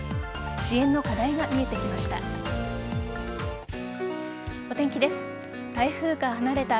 支援の課題が見えてきました。